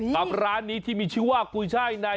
กับร้านนี้ที่มีชื่อว่ากุยช่ายใน